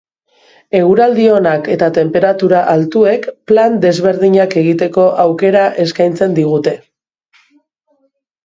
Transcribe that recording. Eguraldi onak eta tenperatura altuek plan desberdinak egiteko aukera eskaintzen digute.